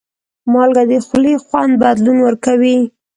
مالګه د خولې خوند بدلون ورکوي.